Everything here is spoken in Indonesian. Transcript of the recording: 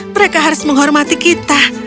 mereka harus menghormati kita